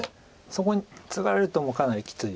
そこにツガれるともうかなりきついですこれは。